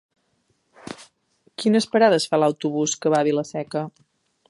Quines parades fa l'autobús que va a Vila-seca?